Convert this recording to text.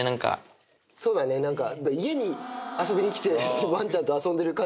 そうだね何か。